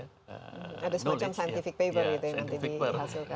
ada semacam scientific paper gitu yang nanti dihasilkan